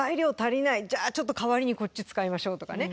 じゃあちょっと代わりにこっち使いましょう」とかね。